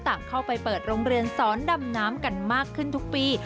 ต่างเข้าไปเปิดโรงเรียนสอนดำน้ำกันมากขึ้นทุกปี